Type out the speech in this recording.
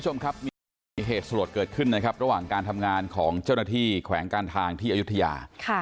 มีเหตุสรวจเกิดขึ้นระหว่างการทำงานของเจ้าหน้าที่แขวงการทางที่อยุธยา